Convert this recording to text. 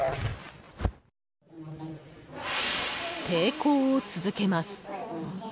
抵抗を続けます。